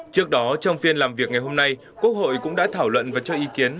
trước đó trong phiên làm việc ngày hôm nay quốc hội cũng đã thảo luận và cho ý kiến